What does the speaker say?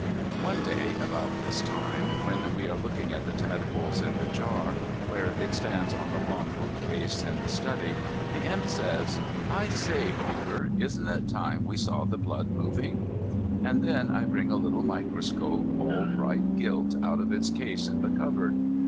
One day, about this time, when we are looking at the tadpoles in the jar, where it stands on the long bookcase in the study, the Imp says, "I say, Ogre, isn't it time we saw the blood moving?" And then I bring a little microscope, all bright gilt, out of its case in the cupboard.